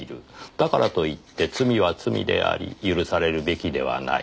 「だからといって罪は罪であり許されるべきではない」